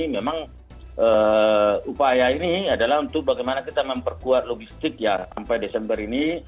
memang upaya ini adalah untuk bagaimana kita memperkuat logistik ya sampai desember ini